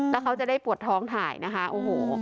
แล้วเขาจะได้ปวดท้องถ่ายนะคะโอ้โห